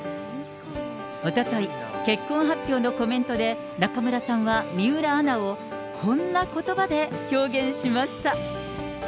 おととい、結婚発表のコメントで、中村さんは、水卜アナをこんなことばで表現しました。